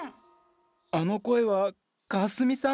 あの声はかすみさん？